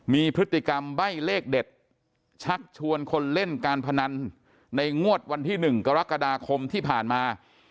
มีพฤติกรรมใบ้เลขเด็ดชักชวนคนเล่นการพนันในงวดวันที่๑กรกฎาคมที่ผ่านมา